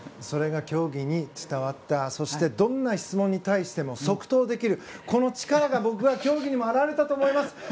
それが競技に伝わったそして、どんな質問に対しても即答できるこの力が僕は競技にも表れたと思います。